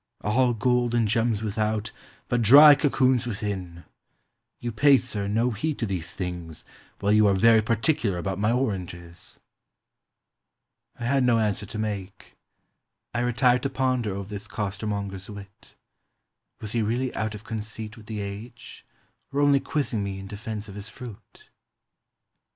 — all gold and gems without, but dry cocoons 1.14 WAS HE THE ONLY CHEAT? within. You pay, sir, no heed to these things, while you are very particular about my oranges." I had no answer to make. I retired to ponder over this costermonger's wit. Was he really out of conceit with the age, or only quizzing me in defense of his fruit?